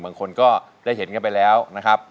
บางคนก็ได้เห็นกันไปแล้วนะครับ